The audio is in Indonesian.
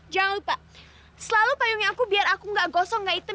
jauh pak selalu payungnya aku biar aku gak gosong gak hitam